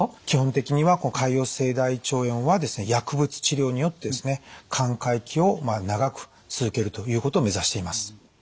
基本的には潰瘍性大腸炎はですね薬物治療によってですね寛解期を長く続けるということを目指しています。